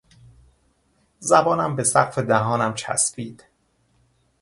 زبانم به سقف دهانم چسبید.